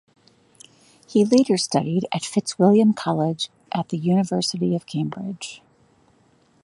He later studied at Fitzwilliam College at the University of Cambridge.